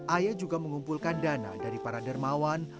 aya juga mengumpulkan dana dari para dermawan